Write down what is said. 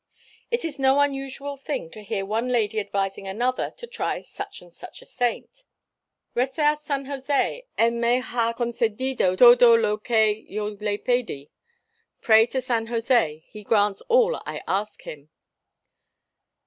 It is no unusual thing to hear one lady advising another to try such and such a saint. "Rece á San José, él me ha concedido todo lo que yo le pedí". Pray to San José he grants all I ask him.